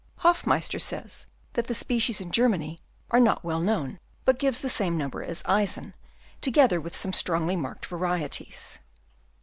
Hoffmeister says that the species in Germany are not well known, but gives the same number as Eisen, together with some strongly marked varieties.